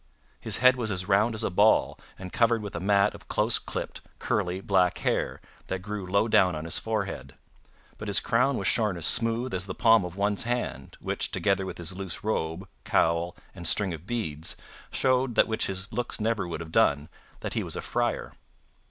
His head was as round as a ball, and covered with a mat of close clipped, curly black hair that grew low down on his forehead. But his crown was shorn as smooth as the palm of one's hand, which, together with his loose robe, cowl, and string of beads, showed that which his looks never would have done, that he was a friar.